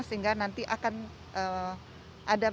sehingga nanti akan ada generasi yang akan mencetak ardelia